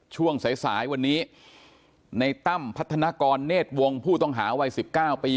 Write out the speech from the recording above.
ช่วงสายสายวันนี้ในตั้มพัฒนากรเนธวงศ์ผู้ต้องหาวัย๑๙ปี